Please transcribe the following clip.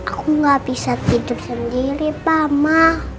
aku gak bisa tidur sendiri mama